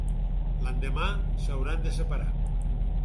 L'endemà, s'hauran de separar.